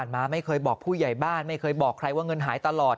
มาไม่เคยบอกผู้ใหญ่บ้านไม่เคยบอกใครว่าเงินหายตลอด